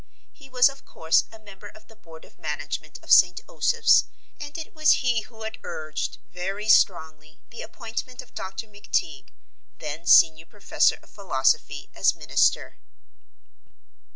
He was of course, a member of the board of management of St. Osoph's and it was he who had urged, very strongly, the appointment of Dr. McTeague, then senior professor of philosophy, as minister.